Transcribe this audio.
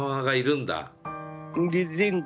んで全国